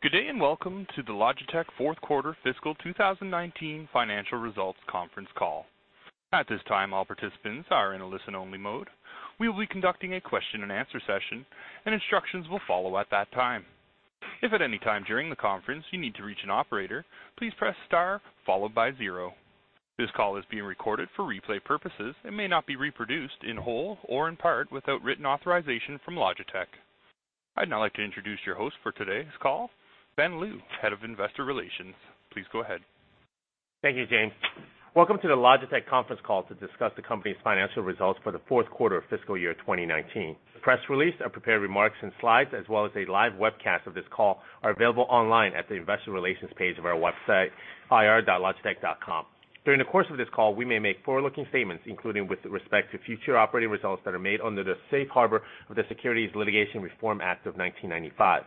Good day. Welcome to the Logitech fourth quarter fiscal 2019 financial results conference call. At this time, all participants are in a listen-only mode. We will be conducting a question and answer session, and instructions will follow at that time. If at any time during the conference you need to reach an operator, please press star followed by zero. This call is being recorded for replay purposes and may not be reproduced in whole or in part without written authorization from Logitech. I'd now like to introduce your host for today's call, Ben Lu, Head of Investor Relations. Please go ahead. Thank you, James. Welcome to the Logitech conference call to discuss the company's financial results for the fourth quarter of fiscal year 2019. The press release and prepared remarks and slides, as well as a live webcast of this call, are available online at the investor relations page of our website, ir.logitech.com. During the course of this call, we may make forward-looking statements, including with respect to future operating results that are made under the safe harbor of the Securities Litigation Reform Act of 1995.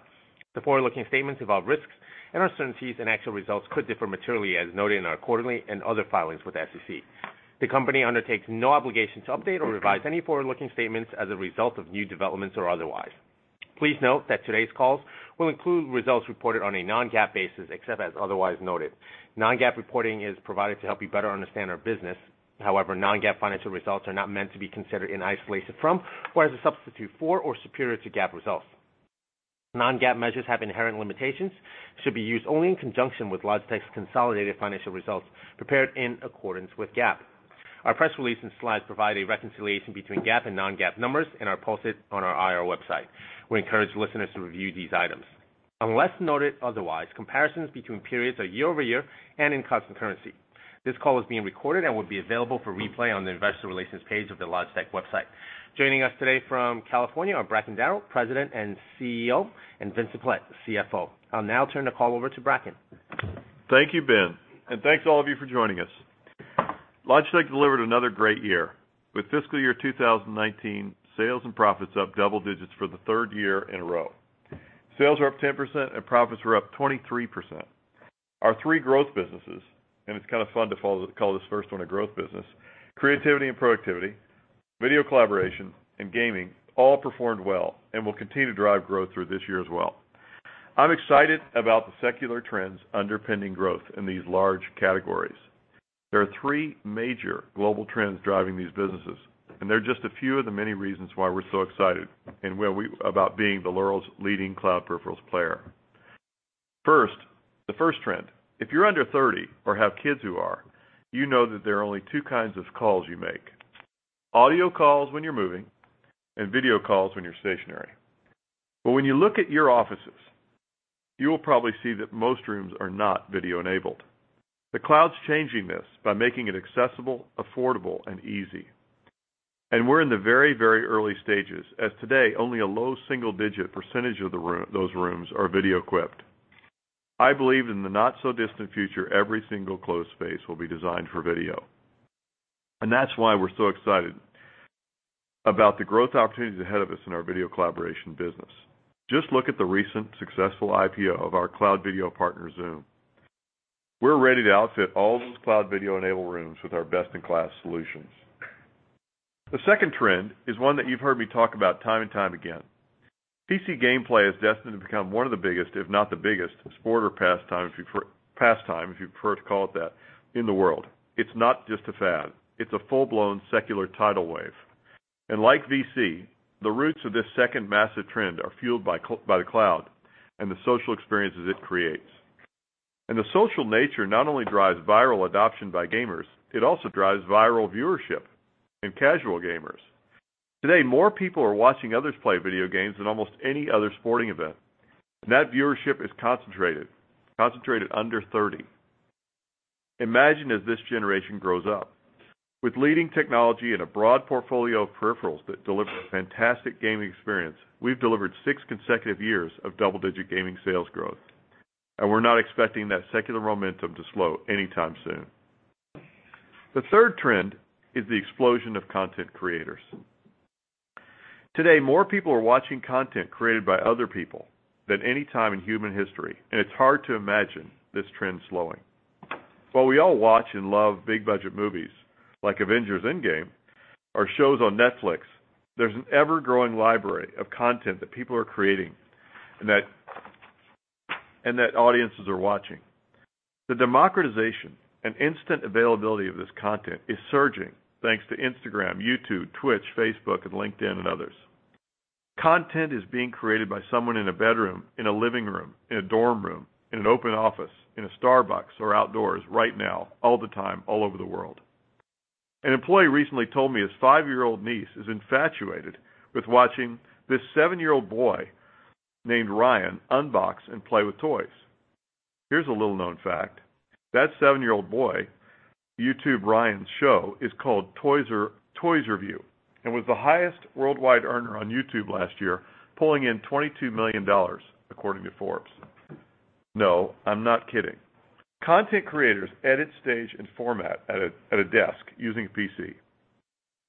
The forward-looking statements involve risks and uncertainties, actual results could differ materially as noted in our quarterly and other filings with the SEC. The company undertakes no obligation to update or revise any forward-looking statements as a result of new developments or otherwise. Please note that today's calls will include results reported on a non-GAAP basis, except as otherwise noted. Non-GAAP reporting is provided to help you better understand our business. However, non-GAAP financial results are not meant to be considered in isolation from, or as a substitute for, or superior to GAAP results. Non-GAAP measures have inherent limitations and should be used only in conjunction with Logitech's consolidated financial results prepared in accordance with GAAP. Our press release and slides provide a reconciliation between GAAP and non-GAAP numbers and are posted on our IR website. We encourage listeners to review these items. Unless noted otherwise, comparisons between periods are year-over-year and in constant currency. This call is being recorded and will be available for replay on the investor relations page of the Logitech website. Joining us today from California are Bracken Darrell, President and CEO, and Vincent Pilette, CFO. I'll now turn the call over to Bracken. Thank you, Ben. Thanks to all of you for joining us. Logitech delivered another great year. With fiscal year 2019, sales and profits up double digits for the third year in a row. Sales were up 10%. Profits were up 23%. Our three growth businesses, it's kind of fun to call this first one a growth business, creativity and productivity, video collaboration, and gaming, all performed well and will continue to drive growth through this year as well. I'm excited about the secular trends underpinning growth in these large categories. There are three major global trends driving these businesses, they're just a few of the many reasons why we're so excited about being the world's leading cloud peripherals player. First, the first trend, if you're under 30 or have kids who are, you know that there are only two kinds of calls you make: audio calls when you're moving and video calls when you're stationary. When you look at your offices, you will probably see that most rooms are not video-enabled. The cloud's changing this by making it accessible, affordable, and easy. We're in the very, very early stages, as today only a low single-digit % of those rooms are video-equipped. I believe in the not-so-distant future, every single closed space will be designed for video, and that's why we're so excited about the growth opportunities ahead of us in our Video Collaboration business. Just look at the recent successful IPO of our cloud video partner, Zoom. We're ready to outfit all those cloud video-enabled rooms with our best-in-class solutions. The second trend is one that you've heard me talk about time and time again. PC gameplay is destined to become one of the biggest, if not the biggest, sport or pastime, if you prefer to call it that, in the world. It's not just a fad. It's a full-blown secular tidal wave. Like VC, the roots of this second massive trend are fueled by the cloud and the social experiences it creates. The social nature not only drives viral adoption by gamers, it also drives viral viewership in casual gamers. Today, more people are watching others play video games than almost any other sporting event, and that viewership is concentrated under 30. Imagine as this generation grows up. With leading technology and a broad portfolio of peripherals that deliver a fantastic gaming experience, we've delivered six consecutive years of double-digit gaming sales growth, we're not expecting that secular momentum to slow anytime soon. The third trend is the explosion of content creators. Today, more people are watching content created by other people than any time in human history, it's hard to imagine this trend slowing. While we all watch and love big-budget movies like "Avengers: Endgame" or shows on Netflix, there's an ever-growing library of content that people are creating and that audiences are watching. The democratization and instant availability of this content is surging, thanks to Instagram, YouTube, Twitch, Facebook, and LinkedIn, and others. Content is being created by someone in a bedroom, in a living room, in a dorm room, in an open office, in a Starbucks, or outdoors right now, all the time, all over the world. An employee recently told me his five-year-old niece is infatuated with watching this seven-year-old boy named Ryan unbox and play with toys. Here's a little-known fact. That seven-year-old boy, YouTube Ryan's show, is called "ToysRView" and was the highest worldwide earner on YouTube last year, pulling in CHF 22 million, according to Forbes. No, I'm not kidding. Content creators edit, stage, and format at a desk using a PC,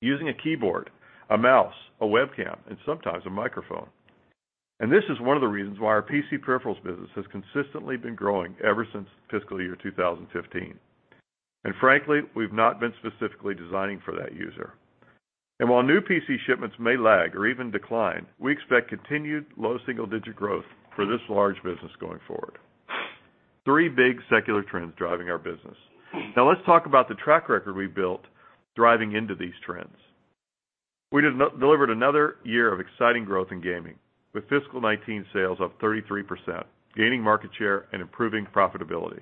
using a keyboard, a mouse, a webcam, and sometimes a microphone. This is one of the reasons why our PC peripherals business has consistently been growing ever since fiscal year 2015. Frankly, we've not been specifically designing for that user. While new PC shipments may lag or even decline, we expect continued low single-digit growth for this large business going forward. Three big secular trends driving our business. Now let's talk about the track record we built driving into these trends. We delivered another year of exciting growth in gaming, with fiscal 2019 sales up 33%, gaining market share, and improving profitability.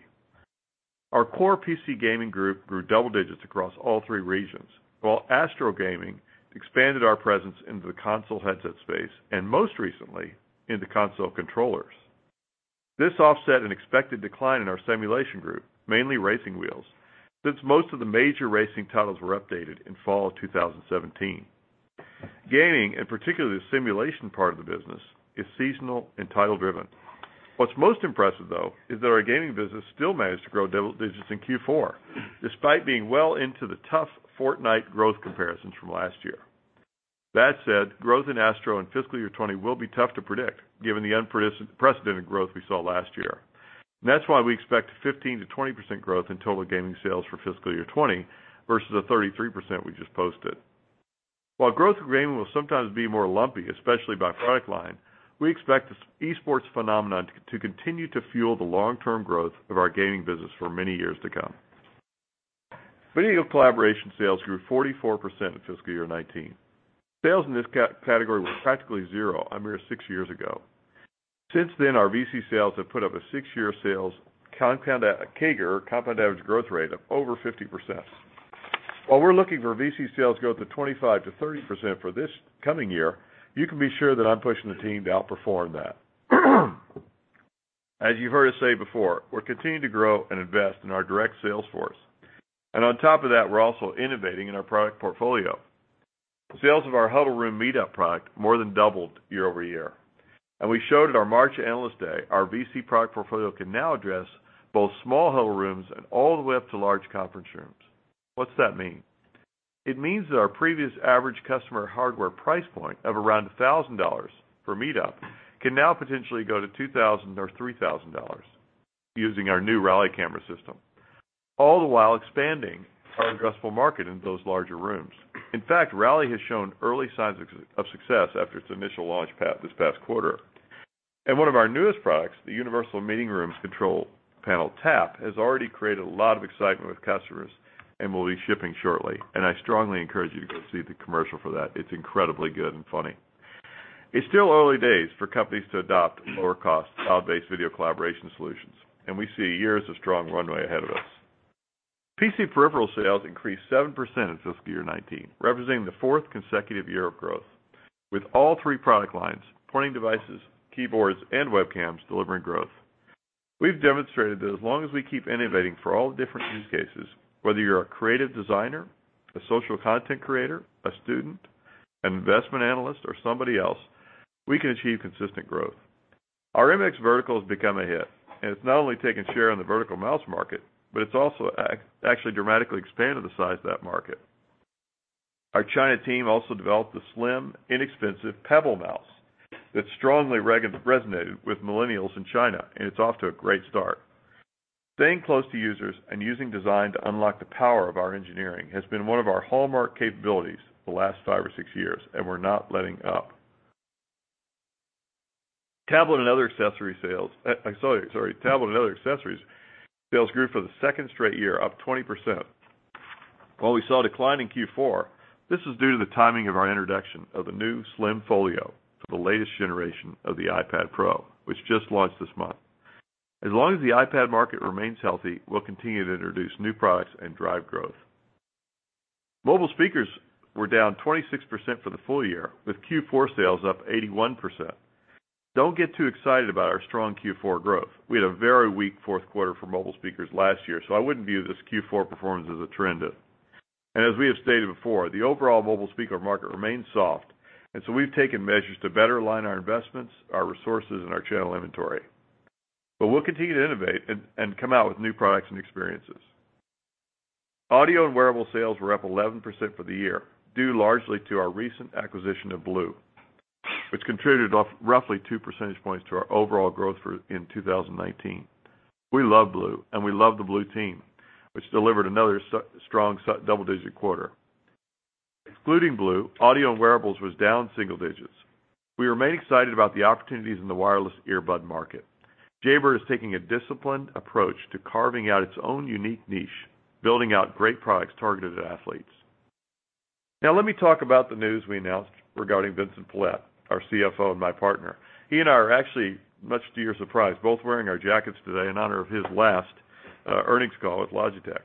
Our core PC gaming group grew double digits across all three regions, while ASTRO Gaming expanded our presence into the console headset space and, most recently, into console controllers. This offset an expected decline in our simulation group, mainly racing wheels, since most of the major racing titles were updated in fall of 2017. Gaming, and particularly the simulation part of the business, is seasonal and title-driven. What's most impressive, though, is that our gaming business still managed to grow double digits in Q4, despite being well into the tough Fortnite growth comparisons from last year. That said, growth in ASTRO in fiscal year 2020 will be tough to predict, given the unprecedented growth we saw last year. That's why we expect 15%-20% growth in total gaming sales for fiscal year 2020 versus the 33% we just posted. While growth in gaming will sometimes be more lumpy, especially by product line, we expect this e-sports phenomenon to continue to fuel the long-term growth of our gaming business for many years to come. Video collaboration sales grew 44% in fiscal year 2019. Sales in this category were practically zero a mere six years ago. Since then, our VC sales have put up a six-year sales compound, CAGR, compound average growth rate of over 50%. While we're looking for VC sales growth of 25%-30% for this coming year, you can be sure that I'm pushing the team to outperform that. As you've heard us say before, we're continuing to grow and invest in our direct sales force. On top of that, we're also innovating in our product portfolio. Sales of our Huddle Room MeetUp product more than doubled year-over-year. We showed at our March Analyst Day, our VC product portfolio can now address both small huddle rooms and all the way up to large conference rooms. What's that mean? It means that our previous average customer hardware price point of around CHF 1,000 for MeetUp can now potentially go to 2,000 or CHF 3,000 using our new Rally camera system, all the while expanding our addressable market into those larger rooms. In fact, Rally has shown early signs of success after its initial launch this past quarter. One of our newest products, the universal meeting rooms control panel Tap, has already created a lot of excitement with customers and will be shipping shortly. I strongly encourage you to go see the commercial for that. It's incredibly good and funny. It's still early days for companies to adopt lower-cost, cloud-based video collaboration solutions, and we see years of strong runway ahead of us. PC peripheral sales increased 7% in fiscal year 2019, representing the fourth consecutive year of growth, with all three product lines, pointing devices, keyboards, and webcams, delivering growth. We've demonstrated that as long as we keep innovating for all different use cases, whether you're a creative designer, a social content creator, a student, an investment analyst, or somebody else, we can achieve consistent growth. Our MX Vertical has become a hit, and it's not only taken share in the vertical mouse market, but it's also actually dramatically expanded the size of that market. Our China team also developed the slim, inexpensive Pebble Mouse that strongly resonated with millennials in China, and it's off to a great start. Staying close to users and using design to unlock the power of our engineering has been one of our hallmark capabilities for the last five or six years, and we're not letting up. Tablet and other accessories sales grew for the second straight year, up 20%. While we saw a decline in Q4, this was due to the timing of our introduction of the new Logitech Slim Folio for the latest generation of the iPad Pro, which just launched this month. As long as the iPad market remains healthy, we'll continue to introduce new products and drive growth. Mobile speakers were down 26% for the full year, with Q4 sales up 81%. Don't get too excited about our strong Q4 growth. We had a very weak fourth quarter for mobile speakers last year, so I wouldn't view this Q4 performance as a trend. As we have stated before, the overall mobile speaker market remains soft, so we've taken measures to better align our investments, our resources, and our channel inventory. We'll continue to innovate and come out with new products and experiences. Audio and wearable sales were up 11% for the year, due largely to our recent acquisition of Blue, which contributed roughly two percentage points to our overall growth in 2019. We love Blue, and we love the Blue team, which delivered another strong double-digit quarter. Excluding Blue, audio and wearables was down single digits. We remain excited about the opportunities in the wireless earbud market. Jabra is taking a disciplined approach to carving out its own unique niche, building out great products targeted at athletes. Now let me talk about the news we announced regarding Vincent Pilette, our CFO and my partner. He and I are actually, much to your surprise, both wearing our jackets today in honor of his last earnings call at Logitech.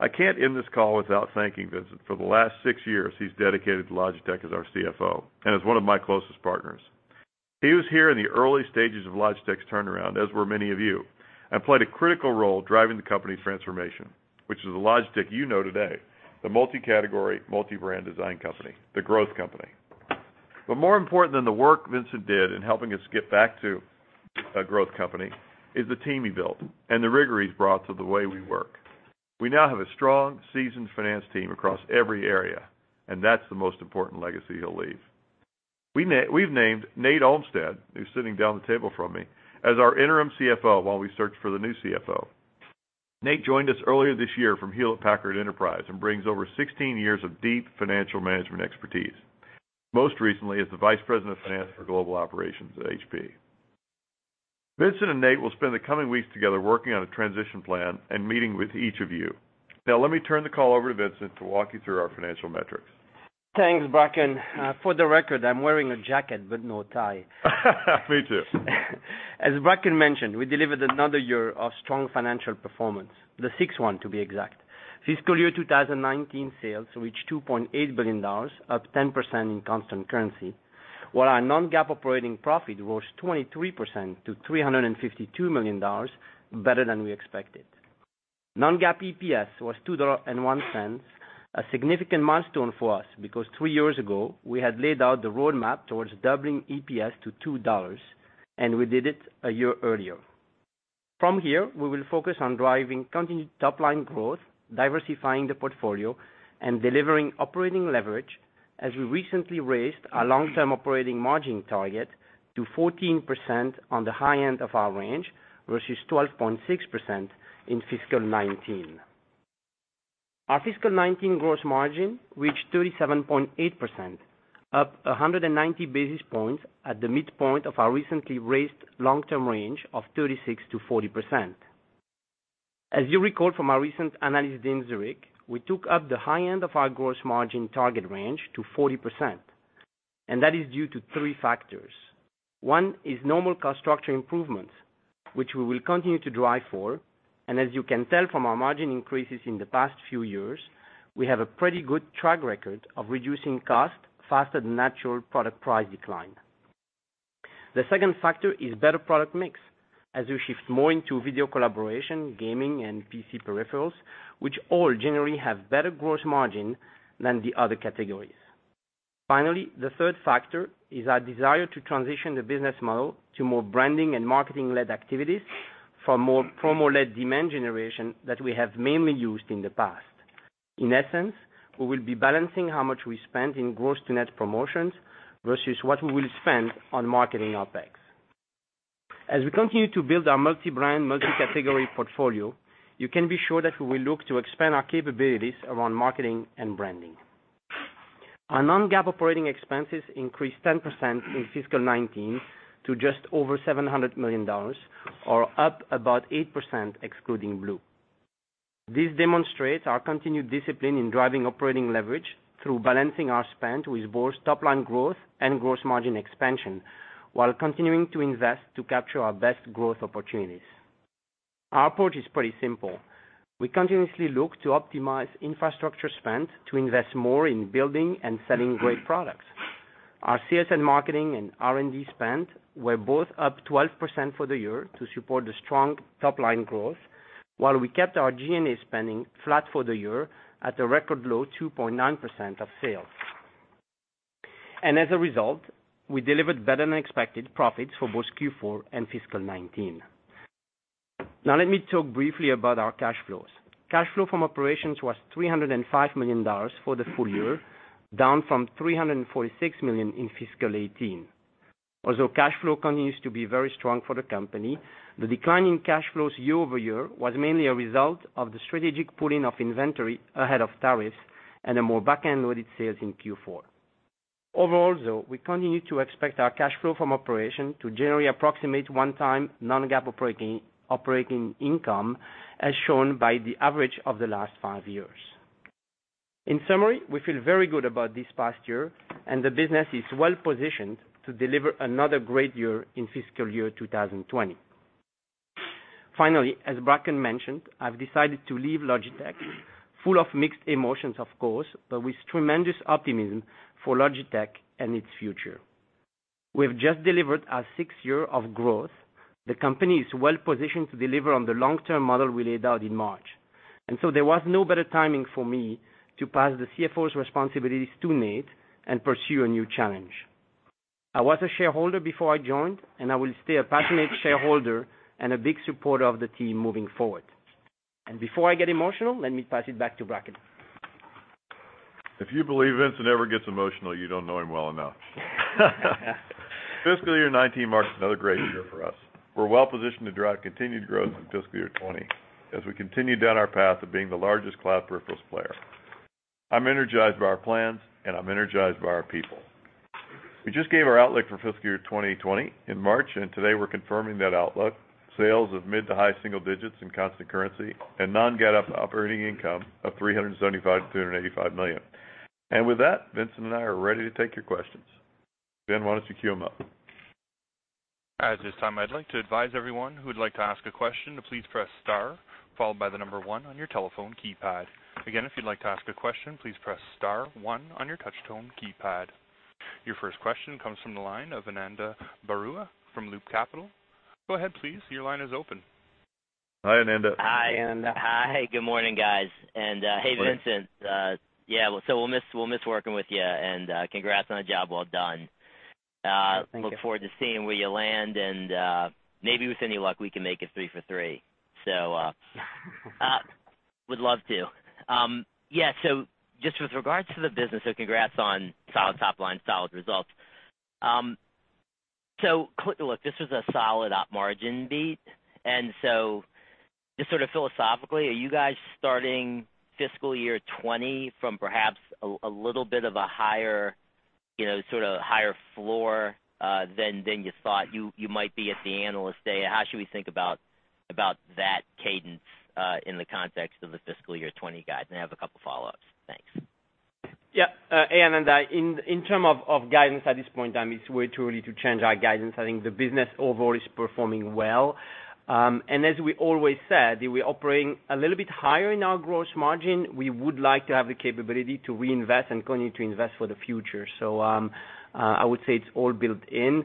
I can't end this call without thanking Vincent. For the last six years, he's dedicated to Logitech as our CFO and is one of my closest partners. He was here in the early stages of Logitech's turnaround, as were many of you, and played a critical role driving the company's transformation, which is the Logitech you know today, the multi-category, multi-brand design company, the growth company. More important than the work Vincent did in helping us get back to a growth company is the team he built and the rigor he's brought to the way we work. We now have a strong, seasoned finance team across every area, and that's the most important legacy he'll leave. We've named Nate Olmstead, who's sitting down the table from me, as our interim CFO while we search for the new CFO. Nate joined us earlier this year from Hewlett Packard Enterprise and brings over 16 years of deep financial management expertise, most recently as the Vice President of Finance for Global Operations at HP. Vincent and Nate will spend the coming weeks together working on a transition plan and meeting with each of you. Now let me turn the call over to Vincent to walk you through our financial metrics. Thanks, Bracken. For the record, I'm wearing a jacket, but no tie. Me too. As Bracken mentioned, we delivered another year of strong financial performance, the sixth one to be exact. Fiscal year 2019 sales reached CHF 2.8 billion, up 10% in constant currency, while our non-GAAP operating profit rose 23% to CHF 352 million, better than we expected. Non-GAAP EPS was CHF 2.01, a significant milestone for us, because three years ago, we had laid out the roadmap towards doubling EPS to CHF 2, and we did it a year earlier. From here, we will focus on driving continued top-line growth, diversifying the portfolio, and delivering operating leverage, as we recently raised our long-term operating margin target to 14% on the high end of our range, versus 12.6% in fiscal 2019. Our fiscal 2019 gross margin reached 37.8%, up 190 basis points at the midpoint of our recently raised long-term range of 36%-40%. As you recall from our recent Analyst Day in Zurich, we took up the high end of the gross margin target range to 40%. That is due to three factors. One is normal cost structure improvements, which we will continue to drive for, as you can tell from our margin increases in the past few years, we have a pretty good track record of reducing cost faster than natural product price decline. The second factor is better product mix, as we shift more into video collaboration, gaming, and PC peripherals, which all generally have better gross margin than the other categories. Finally, the third factor is our desire to transition the business model to more branding and marketing-led activities from more promo-led demand generation that we have mainly used in the past. In essence, we will be balancing how much we spend in gross-to-net promotions versus what we will spend on marketing OpEx. As we continue to build our multi-brand, multi-category portfolio, you can be sure that we will look to expand our capabilities around marketing and branding. Our non-GAAP operating expenses increased 10% in fiscal 2019 to just over CHF 700 million, or up about 8% excluding Blue. This demonstrates our continued discipline in driving operating leverage through balancing our spend with both top-line growth and gross margin expansion, while continuing to invest to capture our best growth opportunities. Our approach is pretty simple. We continuously look to optimize infrastructure spend to invest more in building and selling great products. Our CS& marketing and R&D spend were both up 12% for the year to support the strong top-line growth, while we kept our G&A spending flat for the year at a record low 2.9% of sales. As a result, we delivered better-than-expected profits for both Q4 and fiscal 2019. Now let me talk briefly about our cash flows. Cash flow from operations was CHF 305 million for the full year, down from 346 million in fiscal 2018. Although cash flow continues to be very strong for the company, the decline in cash flows year-over-year was mainly a result of the strategic pulling of inventory ahead of tariffs and a more back-end loaded sales in Q4. Overall, though, we continue to expect our cash flow from operation to generally approximate one-time non-GAAP operating income, as shown by the average of the last five years. In summary, we feel very good about this past year, and the business is well-positioned to deliver another great year in fiscal year 2020. Finally, as Bracken mentioned, I've decided to leave Logitech full of mixed emotions, of course, but with tremendous optimism for Logitech and its future. We've just delivered our sixth year of growth. The company is well-positioned to deliver on the long-term model we laid out in March, and so there was no better timing for me to pass the CFO's responsibilities to Nate and pursue a new challenge. I was a shareholder before I joined, and I will stay a passionate shareholder and a big supporter of the team moving forward. Before I get emotional, let me pass it back to Bracken. If you believe Vincent ever gets emotional, you don't know him well enough. Fiscal year 2019 marks another great year for us. We're well-positioned to drive continued growth in fiscal year 2020, as we continue down our path of being the largest cloud peripherals player. I'm energized by our plans, and I'm energized by our people. We just gave our outlook for fiscal year 2020 in March, and today we're confirming that outlook, sales of mid-to-high single digits in constant currency, and non-GAAP operating income of 375 million-385 million. With that, Vincent and I are ready to take your questions. Ben, why don't you queue them up? At this time, I'd like to advise everyone who would like to ask a question to please press star, followed by the number one on your telephone keypad. Again, if you'd like to ask a question, please press star one on your touch tone keypad. Your first question comes from the line of Ananda Baruah from Loop Capital. Go ahead, please. Your line is open. Hi, Ananda. Hi, Ananda. Hi. Good morning, guys. Hey, Vincent. Yeah, we'll miss working with you, and congrats on a job well done. Thank you. Look forward to seeing where you land, and maybe with any luck, we can make it three for three. Would love to. Just with regards to the business, congrats on solid top line, solid results. Look, this was a solid op margin beat. Just sort of philosophically, are you guys starting fiscal year 2020 from perhaps a little bit of a higher floor than you thought you might be at the Analyst Day? How should we think about that cadence in the context of the fiscal year 2020 guide? I have a couple of follow-ups. Thanks. Hey, Ananda. In terms of guidance at this point, it's way too early to change our guidance. I think the business overall is performing well. As we always said, we're operating a little bit higher in our gross margin. We would like to have the capability to reinvest and continue to invest for the future. I would say it's all built in.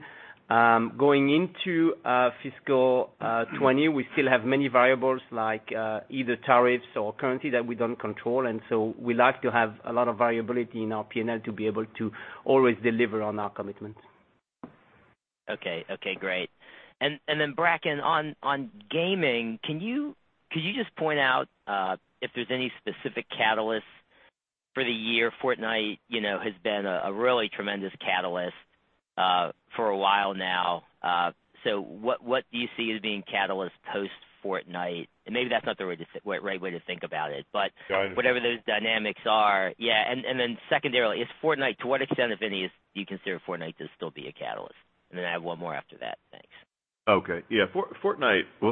Going into fiscal 2020, we still have many variables like either tariffs or currency that we don't control, we like to have a lot of variability in our P&L to be able to always deliver on our commitments. Okay, great. Bracken, on gaming, could you just point out if there's any specific catalyst for the year? Fortnite has been a really tremendous catalyst for a while now. What do you see as being catalyst post-Fortnite? Maybe that's not the right way to think about it. Got it Whatever those dynamics are. Yeah. Secondarily, to what extent, if any, do you consider Fortnite to still be a catalyst? I have one more after that. Thanks. Okay. Yeah. Well,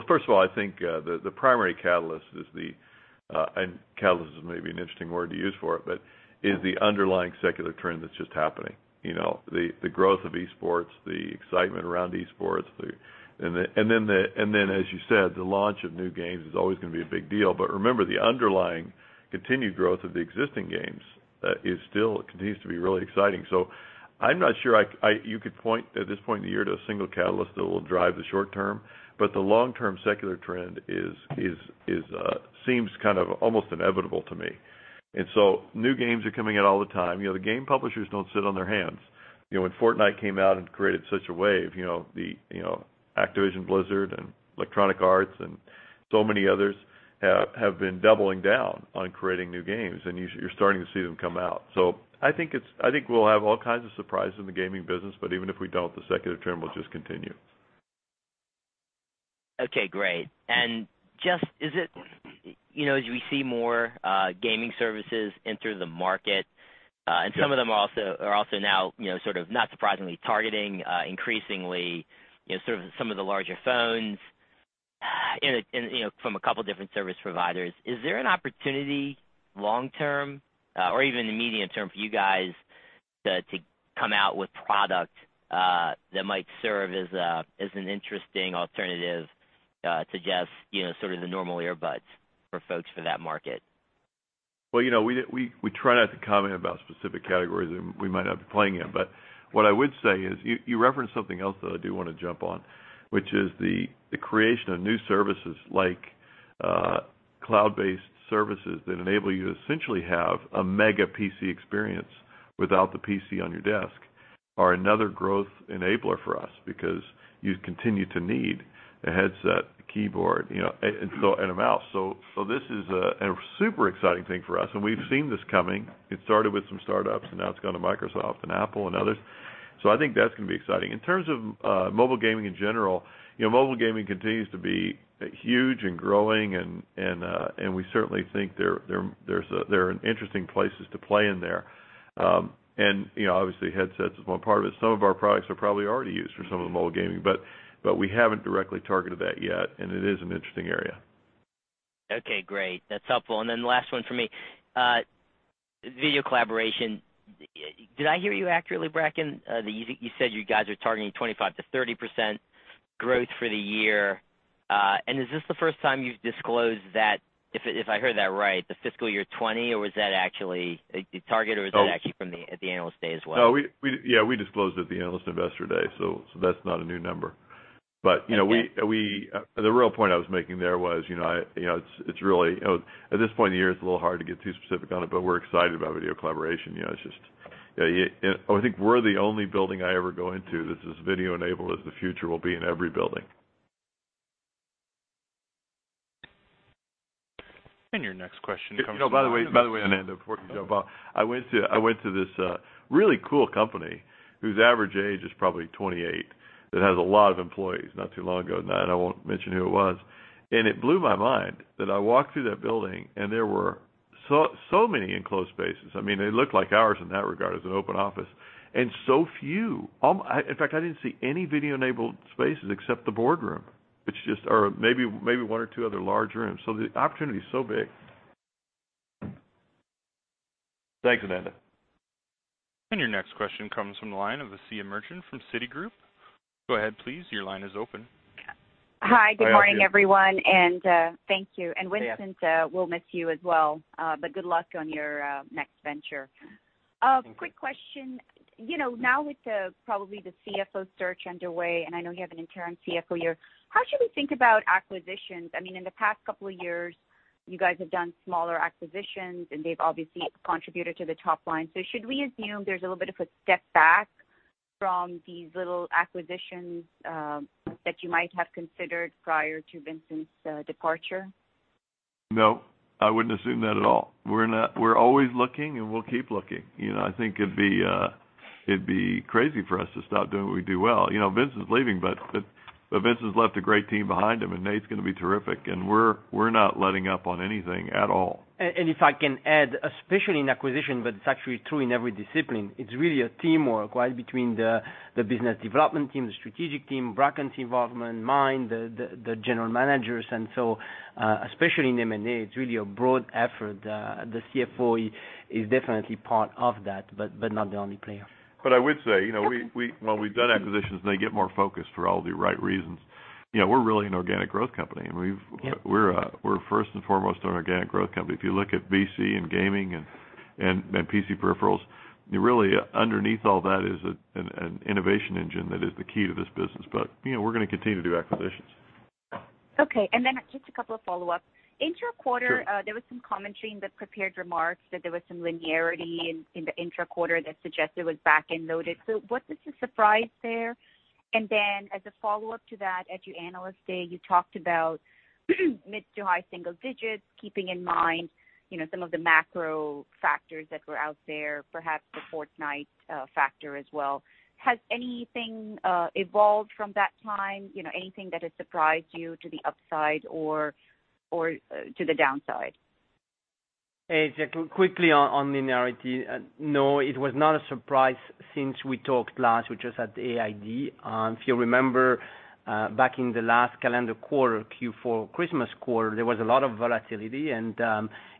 first of all, I think the primary catalyst is the underlying secular trend that's just happening. The growth of esports, the excitement around esports. As you said, the launch of new games is always going to be a big deal, but remember, the underlying continued growth of the existing games still continues to be really exciting. I'm not sure you could point, at this point in the year, to a single catalyst that will drive the short term, but the long-term secular trend seems almost inevitable to me. New games are coming out all the time. The game publishers don't sit on their hands. Fortnite came out and created such a wave, Activision Blizzard and Electronic Arts and so many others have been doubling down on creating new games, and you're starting to see them come out. I think we'll have all kinds of surprises in the gaming business, but even if we don't, the secular trend will just continue. Okay, great. We see more gaming services enter the market, some of them are also now not surprisingly targeting increasingly some of the larger phones from a couple of different service providers. Is there an opportunity long term or even in the medium term for you guys to come out with product that might serve as an interesting alternative to just sort of the normal earbuds for folks for that market? Well, we try not to comment about specific categories that we might not be playing in. What I would say is, you referenced something else that I do want to jump on, which is the creation of new services like cloud-based services that enable you to essentially have a mega PC experience without the PC on your desk are another growth enabler for us because you continue to need a headset, a keyboard and a mouse. This is a super exciting thing for us, and we've seen this coming. It started with some startups, and now it's gone to Microsoft and Apple and others. I think that's going to be exciting. In terms of mobile gaming in general, mobile gaming continues to be huge and growing and we certainly think there are interesting places to play in there. Obviously headsets is one part of it. Some of our products are probably already used for some of the mobile gaming, we haven't directly targeted that yet, it is an interesting area. Okay, great. That's helpful. Last one for me. Video collaboration. Did I hear you accurately, Bracken? You said you guys are targeting 25%-30% growth for the year. Is this the first time you've disclosed that, if I heard that right, the fiscal year 2020, or was that actually the target, or was that actually at the Analyst Day as well? No, we disclosed it at the Analyst & Investor Day, that's not a new number. Okay. The real point I was making there was, at this point in the year, it's a little hard to get too specific on it, we're excited about video collaboration. I think we're the only building I ever go into that's as video enabled as the future will be in every building. Your next question comes from- By the way, Ananda, before you jump off. I went to this really cool company whose average age is probably 28, that has a lot of employees, not too long ago, and I won't mention who it was. It blew my mind that I walked through that building and there were so many enclosed spaces. They looked like ours in that regard as an open office, and so few, in fact, I didn't see any video-enabled spaces except the boardroom or maybe one or two other large rooms. The opportunity is so big. Thanks, Ananda. Your next question comes from the line of Asiya Merchant from Citigroup. Go ahead, please. Your line is open. Hi. Hi, Asiya. Good morning, everyone, and thank you. Vincent, we'll miss you as well. Good luck on your next venture. Thank you. A quick question. Now with probably the CFO search underway, and I know you have an interim CFO here, how should we think about acquisitions? In the past couple of years, you guys have done smaller acquisitions and they've obviously contributed to the top line. Should we assume there's a little bit of a step back from these little acquisitions that you might have considered prior to Vincent's departure? No, I wouldn't assume that at all. We're always looking, and we'll keep looking. I think it'd be crazy for us to stop doing what we do well. Vincent's leaving, but Vincent's left a great team behind him, and Nate's going to be terrific, and we're not letting up on anything at all. If I can add, especially in acquisition, but it's actually true in every discipline, it's really a teamwork between the business development team, the strategic team, Bracken's involvement, mine, the general managers. Especially in M&A, it's really a broad effort. The CFO is definitely part of that but not the only player. I would say, when we've done acquisitions, and they get more focused for all the right reasons. We're really an organic growth company. Yep. We're first and foremost an organic growth company. If you look at VC and gaming and PC peripherals, really underneath all that is an innovation engine that is the key to this business. We're going to continue to do acquisitions. Okay. Just a couple of follow-ups. Sure. There was some commentary in the prepared remarks that there was some linearity in the intra-quarter that suggested it was back-end loaded. Was this a surprise there? Then as a follow-up to that, at your Analyst Day, you talked about mid to high single digits, keeping in mind some of the macro factors that were out there, perhaps the Fortnite factor as well. Has anything evolved from that time? Anything that has surprised you to the upside or to the downside? Hey, quickly on linearity. No, it was not a surprise since we talked last, which was at AID. If you remember back in the last calendar quarter, Q4 Christmas quarter, there was a lot of volatility in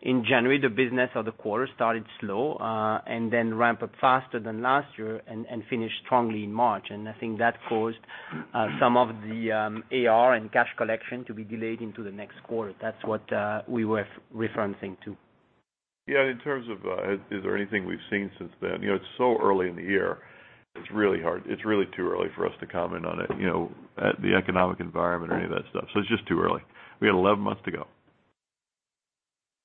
January, the business of the quarter started slow and then ramped up faster than last year and finished strongly in March. I think that caused some of the AR and cash collection to be delayed into the next quarter. That's what we were referencing to. Yeah, in terms of is there anything we've seen since then, it's so early in the year, it's really too early for us to comment on it, the economic environment or any of that stuff. It's just too early. We got 11 months to go.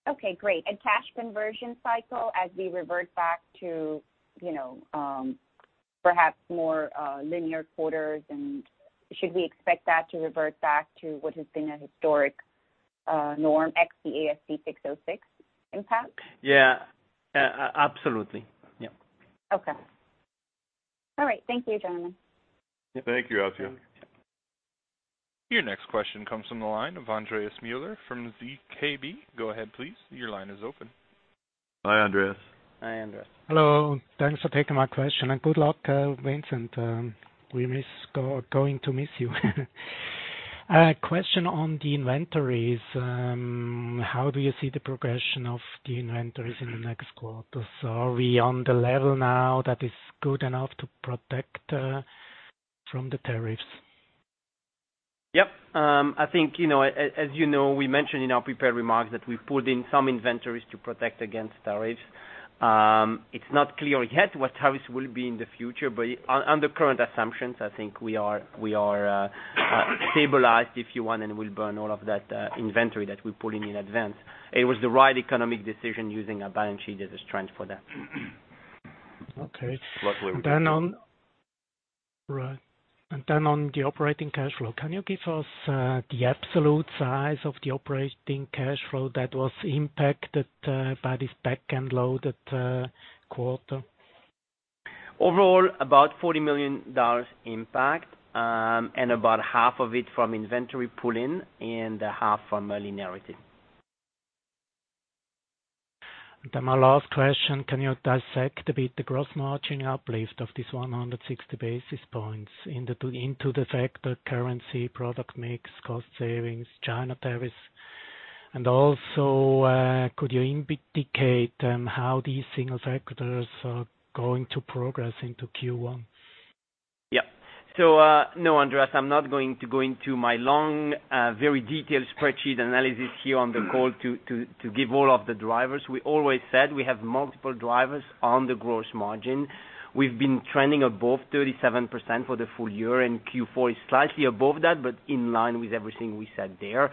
Okay, great. Cash conversion cycle as we revert back to perhaps more linear quarters, should we expect that to revert back to what has been a historic norm ex the ASC 606 impact? Yeah. Absolutely. Yep. Okay. All right. Thank you, gentlemen. Thank you, Asiya. Your next question comes from the line of Andreas Mueller from ZKB. Go ahead, please. Your line is open. Hi, Andreas. Hi, Andreas. Hello. Thanks for taking my question. Good luck, Vincent. We're going to miss you. A question on the inventories. How do you see the progression of the inventories in the next quarter? Are we on the level now that is good enough to protect from the tariffs? Yep. I think, as you know, we mentioned in our prepared remarks that we've pulled in some inventories to protect against tariffs. It's not clear yet what tariffs will be in the future, under current assumptions, I think we are stabilized, if you want, and we'll burn all of that inventory that we pulled in in advance. It was the right economic decision using our balance sheet as a strength for that. Okay. Luckily we did that. Right. Then on the operating cash flow, can you give us the absolute size of the operating cash flow that was impacted by this back-end loaded quarter? Overall, about CHF 40 million impact, and about half of it from inventory pull-in and half from linearity. Then my last question, can you dissect a bit the gross margin uplift of this 160 basis points into the factor currency, product mix, cost savings, China tariffs? Also, could you indicate how these single factors are going to progress into Q1? Yeah. No, Andreas, I'm not going to go into my long, very detailed spreadsheet analysis here on the call to give all of the drivers. We always said we have multiple drivers on the gross margin. We've been trending above 37% for the full year, and Q4 is slightly above that, but in line with everything we said there.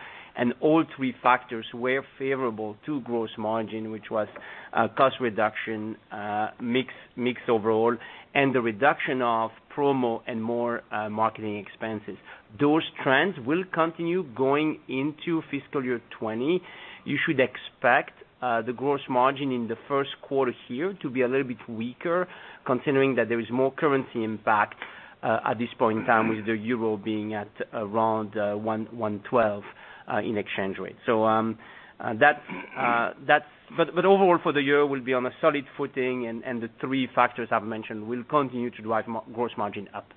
All three factors were favorable to gross margin, which was cost reduction, mix overall, and the reduction of promo and more marketing expenses. Those trends will continue going into fiscal year 2020. You should expect the gross margin in the first quarter here to be a little bit weaker, considering that there is more currency impact at this point in time with the euro being at around 112 in exchange rate. Overall for the year, we'll be on a solid footing and the three factors I've mentioned will continue to drive gross margin up.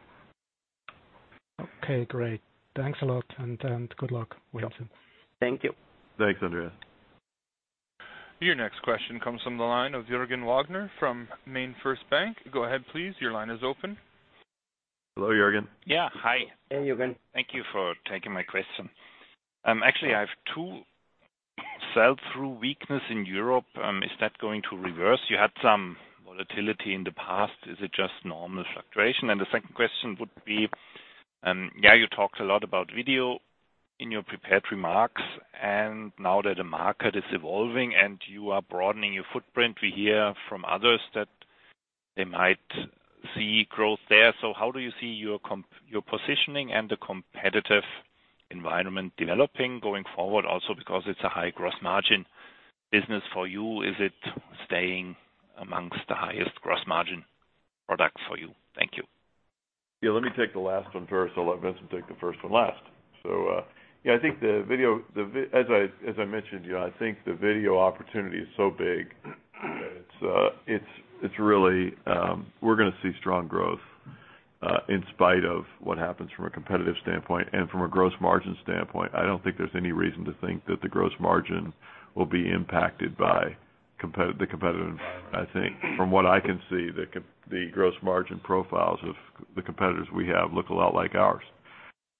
Okay, great. Thanks a lot, and good luck, Vincent. Thank you. Thanks, Andreas. Your next question comes from the line of Juergen Wagner from MainFirst Bank. Go ahead, please. Your line is open. Hello, Juergen. Yeah. Hi. Hey, Juergen. Thank you for taking my question. Actually, I have two. Sell-through weakness in Europe, is that going to reverse? You had some volatility in the past. Is it just normal fluctuation? The second question would be, you talked a lot about Video in your prepared remarks, now that the market is evolving and you are broadening your footprint, we hear from others that they might see growth there. How do you see your positioning and the competitive environment developing going forward, also because it's a high gross margin business for you? Is it staying amongst the highest gross margin products for you? Thank you. Yeah, let me take the last one first. I'll let Vincent take the first one last. I think the Video, as I mentioned, I think the Video opportunity is so big. We're going to see strong growth, in spite of what happens from a competitive standpoint. From a gross margin standpoint, I don't think there's any reason to think that the gross margin will be impacted by the competitive environment. I think, from what I can see, the gross margin profiles of the competitors we have look a lot like ours.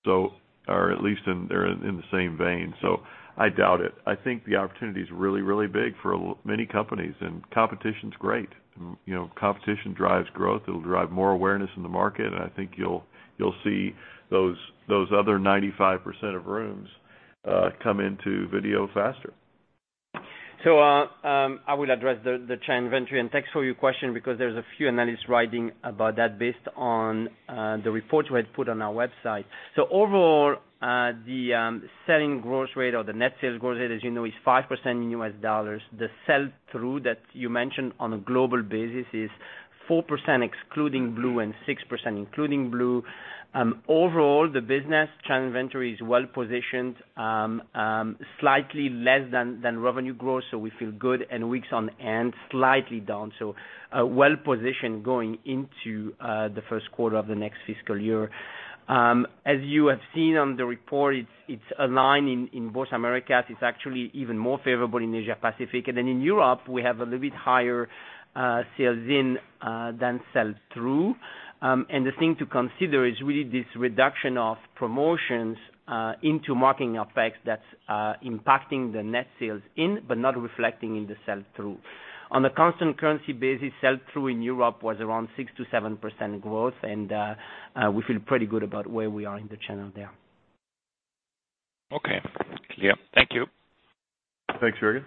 At least they're in the same vein, I doubt it. I think the opportunity is really, really big for many companies, and competition's great. Competition drives growth. It'll drive more awareness in the market, and I think you'll see those other 95% of rooms come into Video faster. I will address the channel inventory, and thanks for your question because there's a few analysts writing about that based on the reports we had put on our website. Overall, the selling gross rate or the net sales gross rate, as you know, is 5% in U.S. dollars. The sell-through that you mentioned on a global basis is 4% excluding Blue and 6% including Blue. Overall, the business channel inventory is well-positioned, slightly less than revenue growth, so we feel good, and weeks on end, slightly down. Well-positioned going into the first quarter of the next fiscal year. As you have seen on the report, it's aligned in both Americas. It's actually even more favorable in Asia Pacific. In Europe, we have a little bit higher sales in than sell-through. The thing to consider is really this reduction of promotions into marketing effects that's impacting the net sales in, but not reflecting in the sell-through. On a constant currency basis, sell-through in Europe was around 6%-7% growth, and we feel pretty good about where we are in the channel there. Okay. Clear. Thank you. Thanks, Juergen.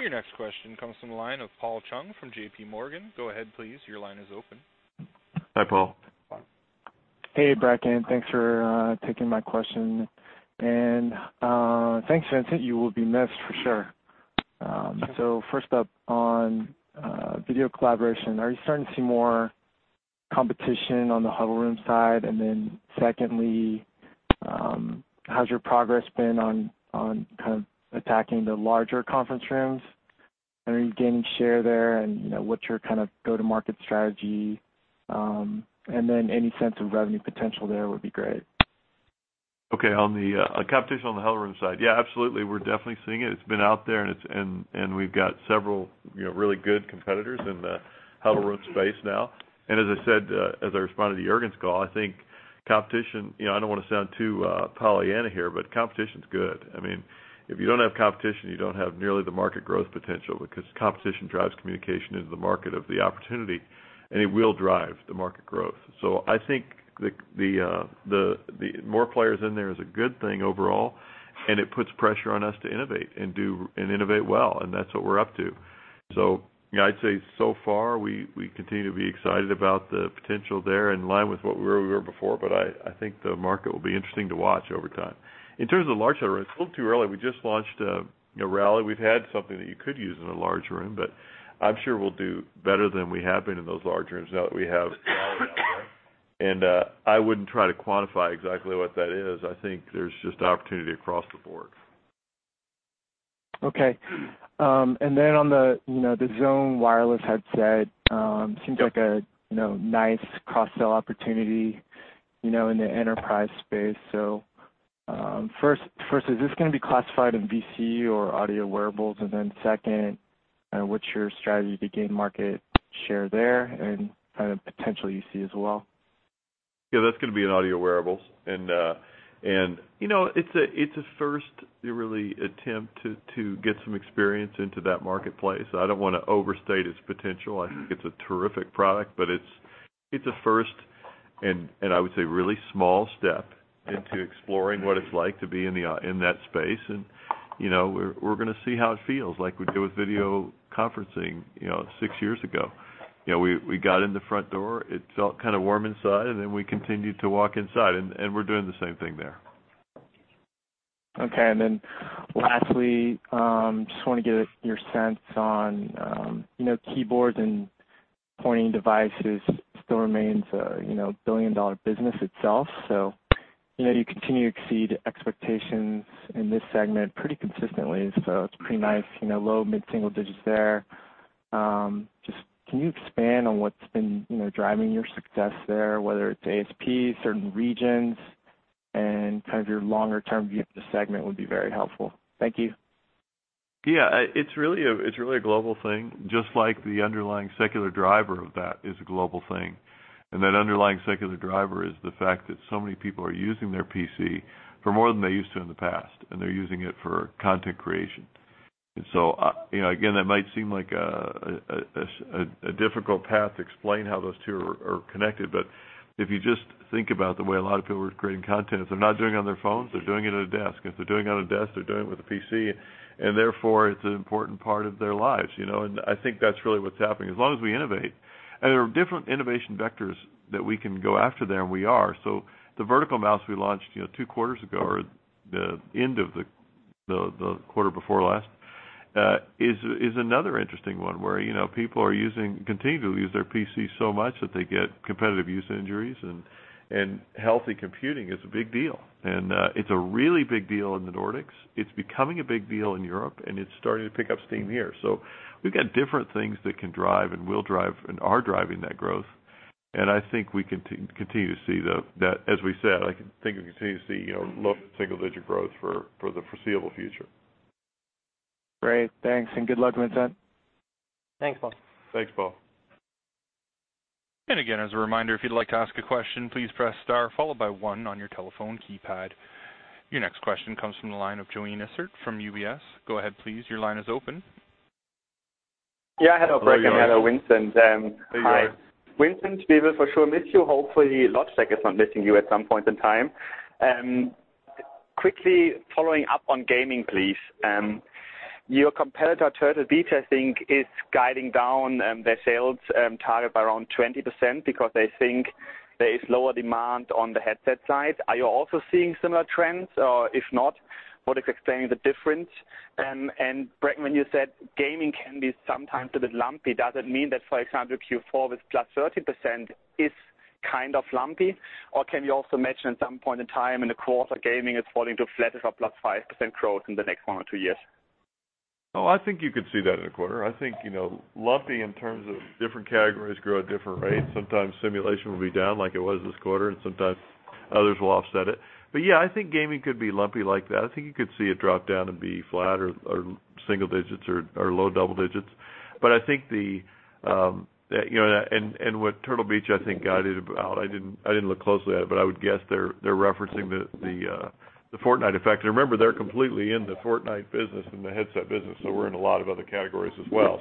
Your next question comes from the line of Paul Chung from JP Morgan. Go ahead, please. Your line is open. Hi, Paul. Hey, Bracken. Thanks for taking my question. Thanks, Vincent. You will be missed for sure. First up on video collaboration, are you starting to see more competition on the huddle room side? Secondly, how's your progress been on kind of attacking the larger conference rooms? Are you gaining share there? What's your kind of go-to-market strategy? Any sense of revenue potential there would be great. On the competition on the huddle room side, yeah, absolutely. We're definitely seeing it. It's been out there, and we've got several really good competitors in the huddle room space now. As I said, as I responded to Juergen's call, I think competition, I don't want to sound too Pollyanna here, but competition's good. If you don't have competition, you don't have nearly the market growth potential because competition drives communication into the market of the opportunity, and it will drive the market growth. I think more players in there is a good thing overall, and it puts pressure on us to innovate and innovate well, and that's what we're up to. I'd say so far, we continue to be excited about the potential there in line with where we were before. I think the market will be interesting to watch over time. In terms of the large center, it's a little too early. We just launched Rally. We've had something that you could use in a large room, but I'm sure we'll do better than we have been in those large rooms now that we have Rally out there. I wouldn't try to quantify exactly what that is. I think there's just opportunity across the board. On the Zone wireless headset, seems like a nice cross-sell opportunity in the enterprise space. First, is this going to be classified in VC or audio wearables? Second, what's your strategy to gain market share there and kind of potential you see as well? That's going to be in audio wearables. It's a first, really, attempt to get some experience into that marketplace. I don't want to overstate its potential. I think it's a terrific product, but it's a first, I would say really small step into exploring what it's like to be in that space. We're going to see how it feels like we did with video conferencing 6 years ago. We got in the front door, it felt kind of warm inside, we continued to walk inside, we're doing the same thing there. Okay. Lastly, want to get your sense on keyboards and pointing devices still remains a billion-dollar business itself. You continue to exceed expectations in this segment pretty consistently, it's pretty nice. Low mid-single digits there. Can you expand on what's been driving your success there, whether it's ASP, certain regions, your longer-term view of the segment would be very helpful. Thank you. It's really a global thing, just like the underlying secular driver of that is a global thing. That underlying secular driver is the fact that so many people are using their PC for more than they used to in the past, they're using it for content creation. Again, that might seem like a difficult path to explain how those two are connected, if you just think about the way a lot of people are creating content, if they're not doing it on their phones, they're doing it at a desk. If they're doing it on a desk, they're doing it with a PC, therefore it's an important part of their lives. I think that's really what's happening. As long as we innovate. There are different innovation vectors that we can go after there, and we are. The vertical mouse we launched 2 quarters ago, or the end of the quarter before last, is another interesting one where people are continuing to use their PC so much that they get competitive use injuries, healthy computing is a big deal. It's a really big deal in the Nordics. It's becoming a big deal in Europe, it's starting to pick up steam here. We've got different things that can drive and will drive and are driving that growth. I think we continue to see that, as we said, I think we continue to see low single-digit growth for the foreseeable future. Great. Thanks good luck, Vincent. Thanks, Paul. Thanks, Paul. Again, as a reminder, if you'd like to ask a question, please press star followed by one on your telephone keypad. Your next question comes from the line of Joanne Wu from UBS. Go ahead please, your line is open. Hello, Bracken, hello, Vincent. Hey, Joanne. Hi. Vincent, we will for sure miss you. Hopefully, Logitech is not missing you at some point in time. Quickly following up on gaming, please. Your competitor, Turtle Beach, I think is guiding down their sales target by around 20% because they think there is lower demand on the headset side. Are you also seeing similar trends? If not, what is explaining the difference? Bracken, when you said gaming can be sometimes a bit lumpy, does it mean that, for example, Q4 with +30% is kind of lumpy? Can you also mention at some point in time in the quarter, gaming is falling to a flatter or +5% growth in the next one or two years? I think you could see that in a quarter. I think lumpy in terms of different categories grow at different rates. Sometimes simulation will be down like it was this quarter, sometimes others will offset it. I think gaming could be lumpy like that. I think you could see it drop down and be flat or single digits or low double digits. What Turtle Beach, I think, guided about, I didn't look closely at it, but I would guess they're referencing the Fortnite effect. Remember, they're completely in the Fortnite business and the headset business, we're in a lot of other categories as well.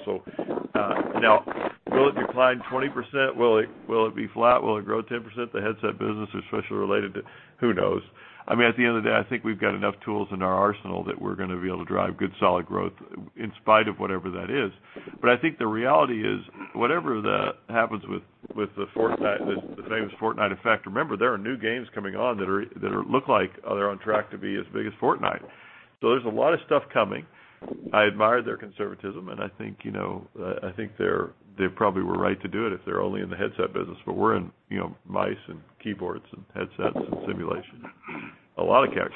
Now will it decline 20%? Will it be flat? Will it grow 10%, the headset business especially related to Who knows? At the end of the day, I think we've got enough tools in our arsenal that we're going to be able to drive good, solid growth in spite of whatever that is. I think the reality is whatever that happens with the famous Fortnite effect, remember, there are new games coming on that look like they're on track to be as big as Fortnite. There's a lot of stuff coming. I admire their conservatism, and I think they probably were right to do it if they're only in the headset business. We're in mice and keyboards and headsets and simulation. A lot of categories.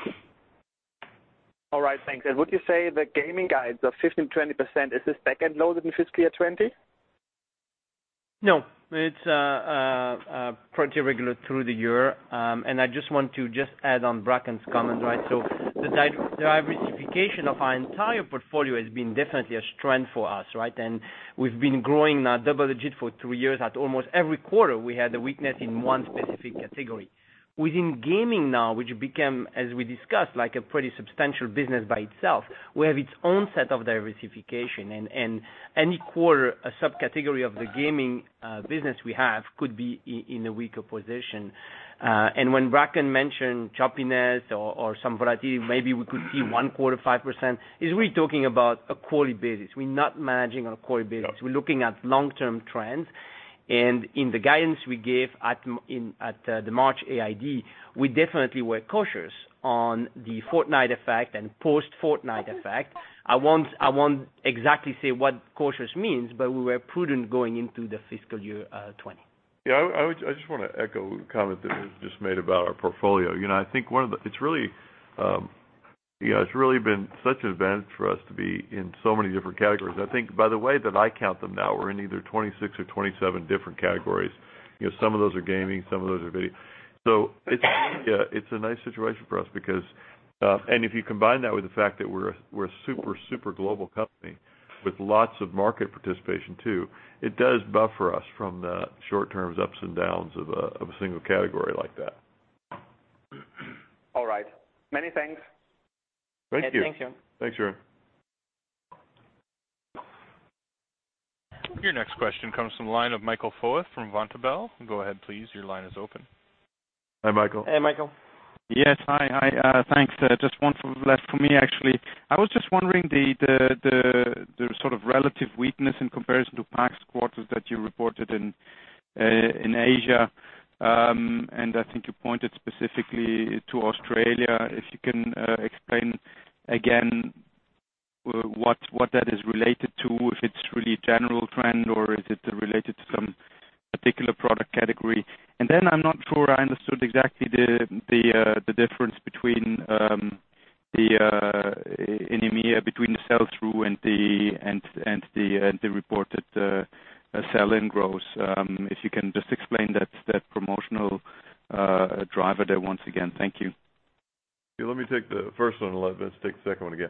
All right, thanks. Would you say the gaming guides of 15%-20%, is this back-end loaded in fiscal year 2020? No, it's pretty regular through the year. I just want to add on Bracken's comment. The diversification of our entire portfolio has been definitely a strength for us. We've been growing now double-digit for three years at almost every quarter we had a weakness in one specific category. Within gaming now, which became, as we discussed, like a pretty substantial business by itself, will have its own set of diversification, and any quarter, a subcategory of the gaming business we have could be in a weaker position. When Bracken mentioned choppiness or some variety, maybe we could see one quarter 5%, is really talking about a quarterly basis. We're not managing on a quarterly basis. No. We're looking at long-term trends. In the guidance we gave at the March AID, we definitely were cautious on the Fortnite effect and post-Fortnite effect. I won't exactly say what cautious means, we were prudent going into the fiscal year 2020. I just want to echo a comment that Vincent just made about our portfolio. It's really been such an advantage for us to be in so many different categories. I think by the way that I count them now, we're in either 26 or 27 different categories. Some of those are gaming, some of those are video. It's a nice situation for us. If you combine that with the fact that we're a super global company with lots of market participation too, it does buffer us from the short-term ups and downs of a single category like that. All right. Many thanks. Thank you. Thank you. Thanks, Joanne. Your next question comes from the line of Michael Foeth from Vontobel. Go ahead please, your line is open. Hi, Michael. Hey, Michael. Yes, hi. Thanks. Just one last for me, actually. I was just wondering the sort of relative weakness in comparison to past quarters that you reported in Asia, and I think you pointed specifically to Australia, if you can explain again what that is related to, if it's really a general trend or is it related to some particular product category. I'm not sure I understood exactly the difference between the EMEA between the sell-through and the reported sell-in growth. If you can just explain that promotional driver there once again. Thank you. Let me take the first one, and let Vincent take the second one again.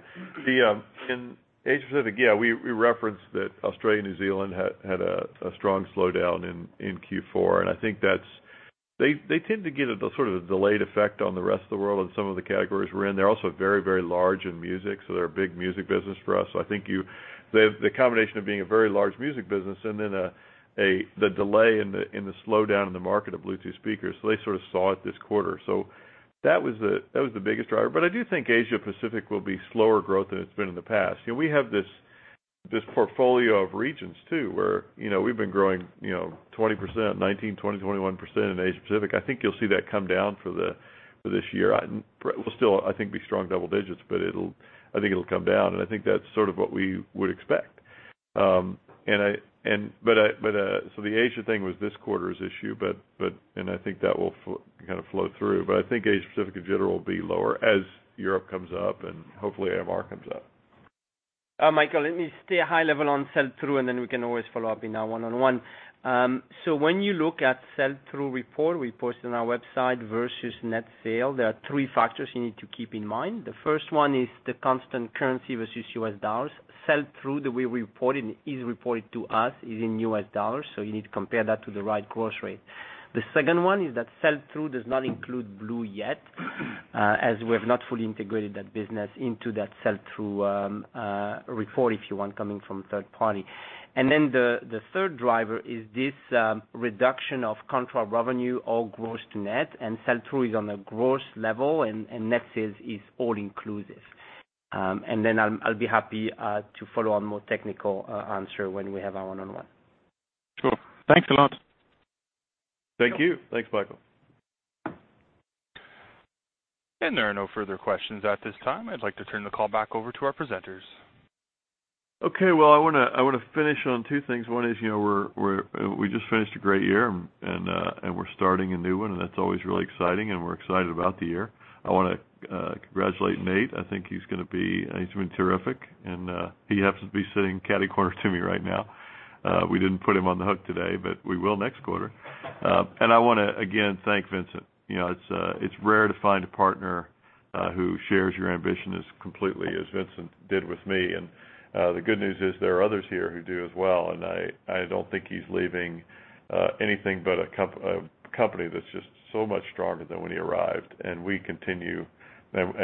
In Asia-Pacific, yeah, we referenced that Australia and New Zealand had a strong slowdown in Q4, and I think they tend to get a sort of a delayed effect on the rest of the world in some of the categories we're in. They're also very large in music, so they're a big music business for us. The combination of being a very large music business and then the delay in the slowdown in the market of Bluetooth speakers, so they sort of saw it this quarter. That was the biggest driver. I do think Asia Pacific will be slower growth than it's been in the past. We have this portfolio of regions too, where we've been growing 20%, 19, 20, 21% in Asia Pacific. I think you'll see that come down for this year. It will still, I think, be strong double digits, but I think it'll come down, and I think that's sort of what we would expect. The Asia thing was this quarter's issue, and I think that will kind of flow through. I think Asia Pacific in general will be lower as Europe comes up and hopefully Americas comes up. Michael, let me stay high level on sell-through, and then we can always follow up in our one-on-one. When you look at sell-through report we post on our website versus net sale, there are three factors you need to keep in mind. The first one is the constant currency versus US dollars. Sell-through the way we report it, is reported to us, is in US dollars, so you need to compare that to the right cross rate. The second one is that sell-through does not include Blue yet, as we have not fully integrated that business into that sell-through report, if you want, coming from third party. The third driver is this reduction of contract revenue, all gross to net, and sell-through is on a gross level, and net sales is all inclusive. I'll be happy to follow on more technical answer when we have our one-on-one. Sure. Thanks a lot. Thank you. Thanks, Michael. There are no further questions at this time. I'd like to turn the call back over to our presenters. Well, I want to finish on two things. One is, we just finished a great year, we're starting a new one, that's always really exciting, we're excited about the year. I want to congratulate Nate. I think he's been terrific, he happens to be sitting catty-corner to me right now. We didn't put him on the hook today, but we will next quarter. I want to again thank Vincent. It's rare to find a partner who shares your ambition as completely as Vincent did with me. The good news is there are others here who do as well, I don't think he's leaving anything but a company that's just so much stronger than when he arrived.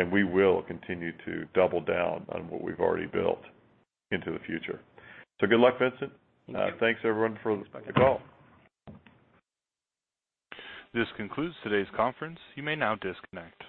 We will continue to double down on what we've already built into the future. Good luck, Vincent. Thank you. Thanks, everyone, for the call. This concludes today's conference. You may now disconnect.